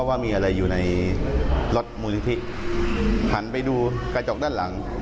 ว่ามีอะไรอยู่ในรถมูลนิธิหันไปดูกระจกด้านหลัง